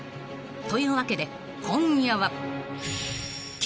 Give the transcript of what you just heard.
［というわけで今夜は］